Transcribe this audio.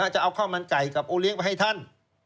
จะเอาข้าวมันไก่กับโอเลี้ยงไปให้ท่าน